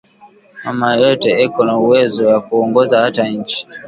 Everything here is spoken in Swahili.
Mama yeyote eko na uwezo ya ku ongoza ata inchi